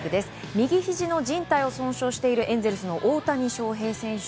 右ひじのじん帯を損傷しているエンゼルスの大谷翔平選手